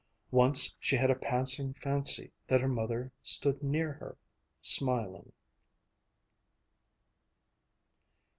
Once she had a passing fancy that her mother stood near her ... smiling.